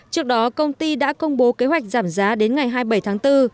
trước đó công ty đã công bố kế hoạch giảm giá đến ngày hai mươi bảy tháng bốn